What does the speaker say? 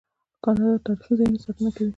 کاناډا د تاریخي ځایونو ساتنه کوي.